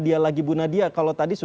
tapi mungkin mungkin jatah ya nggak